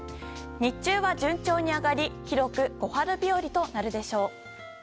日中は順調に上がり広く小春日和となるでしょう。